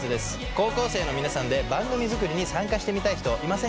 高校生の皆さんで番組作りに参加してみたい人いませんか？